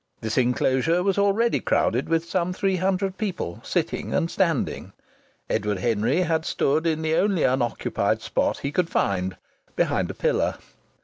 This enclosure was already crowded with some three hundred people, sitting and standing. Edward Henry had stood in the only unoccupied spot he could find, behind a pillar.